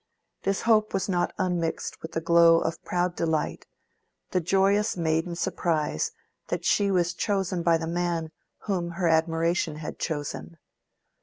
This hope was not unmixed with the glow of proud delight—the joyous maiden surprise that she was chosen by the man whom her admiration had chosen.